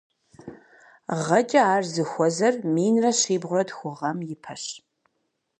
Гъэкӏэ ар зыхуэзэр минрэ щибгъурэ тху гъэм ипэщ.